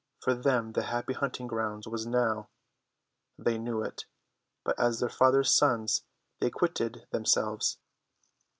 For them the happy hunting grounds was now. They knew it; but as their father's sons they acquitted themselves.